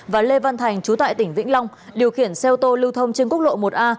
và lê văn thành chú tại tỉnh vĩnh long điều khiển xe ô tô lưu thông trên quốc lộ một a